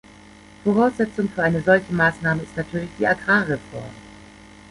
Voraussetzung für eine solche Maßnahme ist natürlich die Agrarreform.